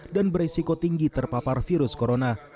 dan beresiko tinggi terpapar virus corona